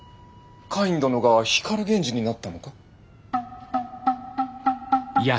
カイン殿が光源氏になったのか？